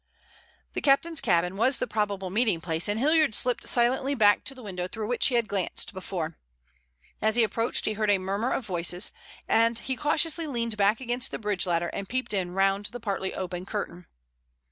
The captain's cabin was the probable meeting place, and Hilliard slipped silently back to the window through which he had glanced before. As he approached he heard a murmur of voices, and he cautiously leaned back against the bridge ladder and peeped in round the partly open curtain.